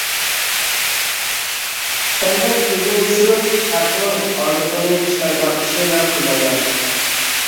سەندەك ئۆزىنى چۈشۈرۈپ ھەقنىڭ ھاردۇقىنى چىقىرىدىغان ئىشىنى مەن قىلمايمەن.